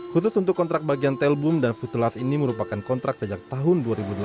khusus untuk kontrak bagian telbum dan fusilas ini merupakan kontrak sejak tahun dua ribu delapan belas